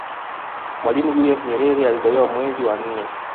mwalimu julius nyerere alizaliwa mwezi wa nne